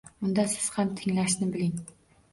Unda siz ham tinglashni biling!